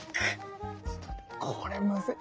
ちょっとこれムズい。